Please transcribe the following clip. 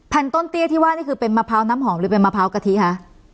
ต้นเตี้ยที่ว่านี่คือเป็นมะพร้าวน้ำหอมหรือเป็นมะพร้าวกะทิคะ